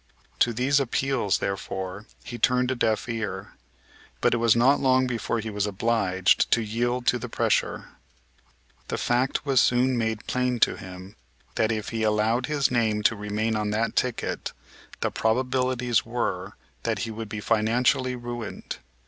To these appeals, therefore, he turned a deaf ear. But it was not long before he was obliged to yield to the pressure. The fact was soon made plain to him that, if he allowed his name to remain on that ticket, the probabilities were that he would be financially ruined.